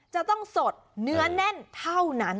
จะต้องสดเนื้อแน่นเท่านั้น